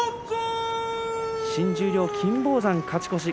新十両金峰山勝ち越し